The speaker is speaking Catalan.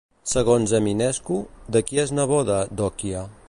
Segons Eminescu, de qui és neboda Dochia?